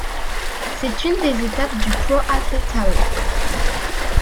C'est une des étapes du Pro Athlé Tour.